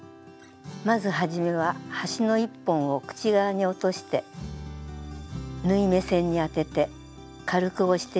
まず初めは端の１本を口側に落として縫い目線に当てて軽く押して印をつけます。